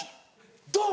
ドン！